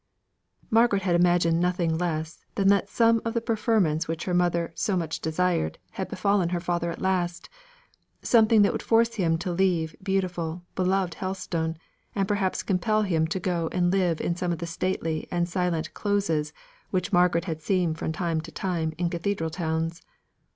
Margaret had imagined nothing less than that some of the preferments which her mother had so much desired had befallen her father at last something that would force him to leave beautiful, beloved Helstone, and perhaps compel him to go and live in some of the stately and silent Closes which Margaret had seen from time to time in Cathedral towns.